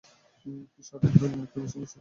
কৃষ্ণদয়াল কহিলেন, একটু বোসো, একটা কথা আছে।